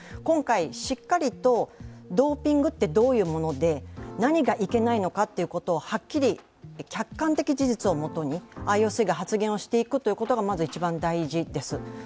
今回、しっかりとドーピングってどういうもので、何がいけないのかということをはっきり客観的事実をもとに、ＩＯＣが発言していくことが、まず一番大事です。